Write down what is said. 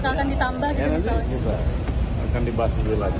nanti juga akan dibahas lagi lagi